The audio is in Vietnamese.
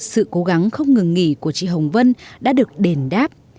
sự cố gắng không ngừng nghỉ của chị hồng vân đã được đền đáp